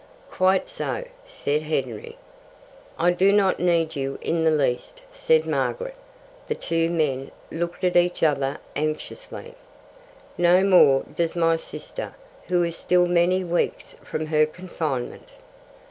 "Quite so," said Henry. "I do not need you in the least," said Margaret. The two men looked at each other anxiously. "No more does my sister, who is still many weeks from her confinement."